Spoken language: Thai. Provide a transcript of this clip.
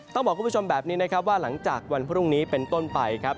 ต้องบอกคุณผู้ชมแบบนี้นะครับว่าหลังจากวันพรุ่งนี้เป็นต้นไปครับ